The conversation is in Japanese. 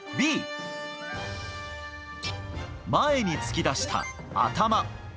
Ｂ、前に突き出した頭。